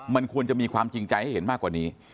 มันควรจะมีความจริงใจให้เห็นมากกว่านี้